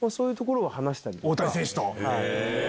大谷選手と。